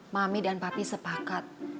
mami dan papi sepakat